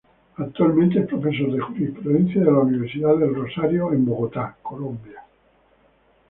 Actualmente es profesor de jurisprudencia de la Universidad del Rosario en Bogotá, Colombia.